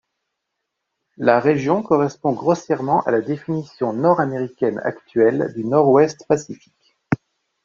La région correspond grossièrement à la définition nord-américaine actuelle du Nord-Ouest Pacifique.